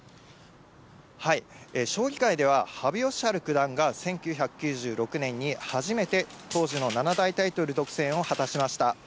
将棋界では、羽生善治九段が１９９６年に初めて当時の七大タイトル独占を果たしました。